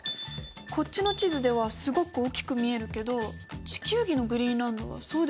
こっちの地図ではすごく大きく見えるけど地球儀のグリーンランドはそうでもないみたい。